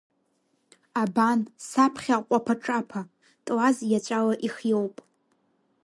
Абан, саԥхьа ҟәаԥа-ҿаԥа, тлаз иаҵәала ихиоуп.